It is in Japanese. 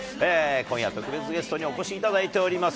今夜、特別ゲストにお越しいただいております。